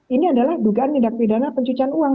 ini adalah dugaan tindak pidana pencucian uang